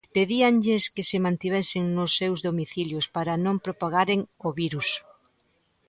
Pedíanlles que se mantivesen nos seus domicilios para non propagaren o virus.